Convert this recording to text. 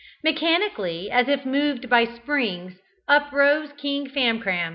Mechanically, as if moved by springs, uprose King Famcram.